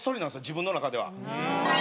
自分の中では。